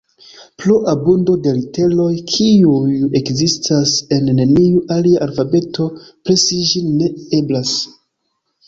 Pro abundo de literoj, kiuj ekzistas en neniu alia alfabeto, presi ĝin ne eblas.